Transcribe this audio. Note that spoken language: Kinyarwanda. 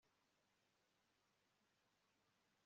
kunyerera kuva ikirenge cye cy'ibumoso